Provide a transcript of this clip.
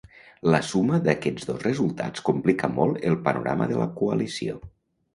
La suma d’aquests dos resultats complica molt el panorama de la coalició.